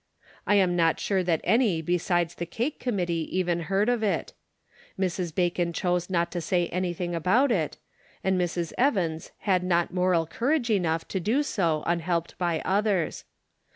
I am not sure that any besides the cake committee even heard of it. Mrs. Bacon chose not to say anything about it, and Mrs. Evans had not moral courage enough to do so unhelped by others.